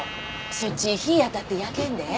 そっち日ぃ当たって焼けんで。